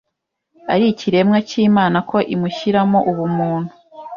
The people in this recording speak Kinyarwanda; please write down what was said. ari ikiremwa cy’Imana ko imushyiramo ubumuntu